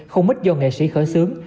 không ít do nghệ sĩ khởi xướng